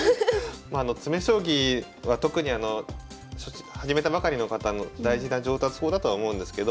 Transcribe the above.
詰将棋は特にあの始めたばかりの方の大事な上達法だとは思うんですけど